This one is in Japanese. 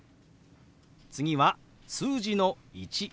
次は数字の「１」。